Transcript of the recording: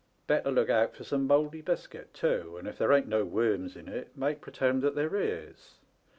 Better look out for some mouldy biscuit, too, and if there ain't no worms in it make pretend that there is.